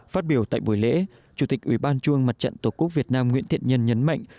phát biểu tại buổi lễ chủ tịch ủy ban trung mặt trận tổ quốc việt nam nguyễn thiện nhân nhấn mạnh